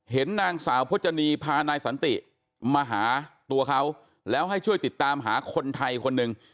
เห็นนางสาวพจนีพานายสันติมาหาตัวเขาแล้วให้ช่วยติดตามหาคนไทยคนหนึ่ง